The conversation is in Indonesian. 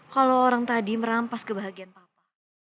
kalau orang tadi merampas kebahagiaan papa